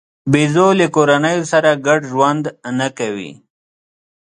بیزو له کورنیو سره ګډ ژوند نه کوي.